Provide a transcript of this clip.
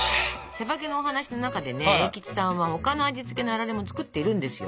「しゃばけ」のお話の中でね栄吉さんは他の味付けのあられも作ってるんですよ。